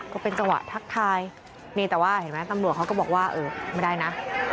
ก็เป็นจังหวะทักทายนี่แต่ว่าเห็นไหมตำรวจเขาก็บอกว่าเออไม่ได้นะ